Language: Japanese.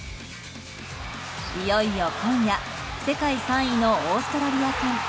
いよいよ今夜世界３位のオーストラリア戦。